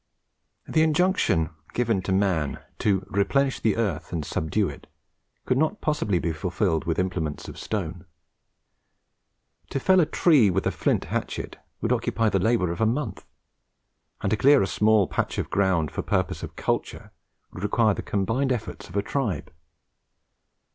The injunction given to man to "replenish the earth and subdue it" could not possibly be fulfilled with implements of stone. To fell a tree with a flint hatchet would occupy the labour of a month, and to clear a small patch of ground for purposes of culture would require the combined efforts of a tribe.